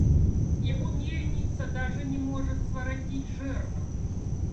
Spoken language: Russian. Его мельница даже не может своротить жернов.